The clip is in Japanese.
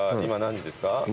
今何時ですか？